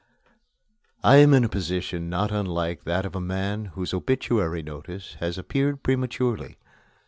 X I am in a position not unlike that of a man whose obituary notice has appeared prematurely.